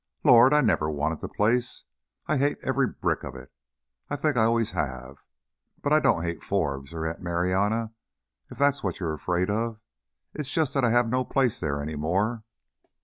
Lord, I never wanted the place. I hate every brick of it, and I think I always have. But I don't hate Forbes or Aunt Marianna if that's what you're afraid of. It's just that I have no place there any more."